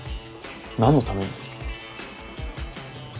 何のために？